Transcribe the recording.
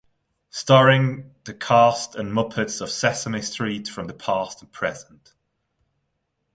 Starring the cast and Muppets of "Sesame Street" from the past and present.